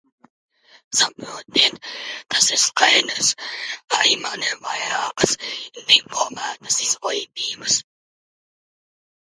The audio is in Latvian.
Saprotiet, tas ir skaidrs, arī man ir vairākas diplomētas izglītības.